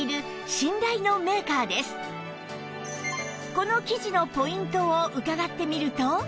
この生地のポイントを伺ってみると